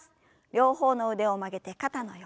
両方の腕を曲げて肩の横。